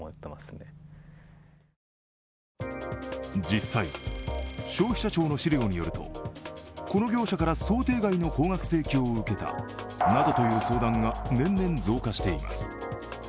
実際、消費者庁の資料によると、この業者から想定外の高額請求を受けたなどという相談が年々増加しています。